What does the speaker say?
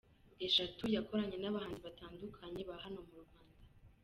eshatu yakoranye n’abahanzi batandukanye ba hano mu Rwanda.